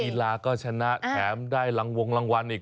กีฬาก็ชนะแถมได้รังวงรางวัลอีก